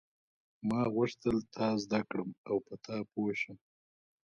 ما غوښتل تا زده کړم او په تا پوه شم.